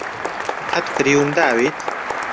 قەت فریوم داویت؟